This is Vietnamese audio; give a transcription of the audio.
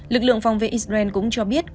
lực lượng phòng vệ israel cũng cho biết